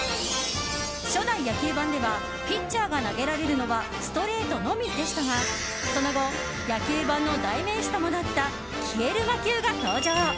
初代野球盤ではピッチャーが投げられるのはストレートのみでしたがその後野球盤の代名詞ともなった消える魔球が登場！